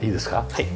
はい。